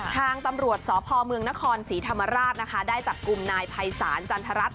ทางตำรวจสพเมืองนครศรีธรรมราชนะคะได้จับกลุ่มนายภัยศาลจันทรัศน